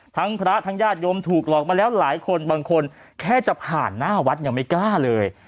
ทั้งพระทั้งญาติโยมถูกหลอกมาแล้วหลายคนบางคนแค่จะผ่านหน้าวัดยังไม่กล้าเลย